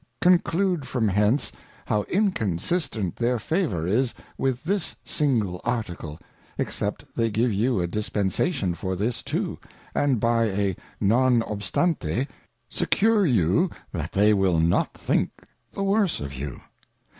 Conclude from hence, how inconsistent their Favour is with this single Article, except they give you a Dispensation for this too, and by a Non Obstante, secure you that they, will not think Jhe_worse_of you.